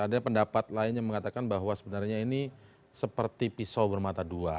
ada pendapat lain yang mengatakan bahwa sebenarnya ini seperti pisau bermata dua